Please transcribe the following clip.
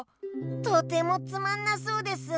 とてもつまんなそうです。